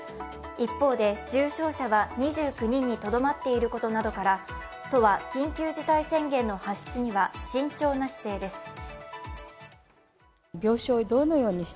一方で、重症者は２９人にとどまっていることから、都は緊急事態宣言の発出には慎重な姿勢です。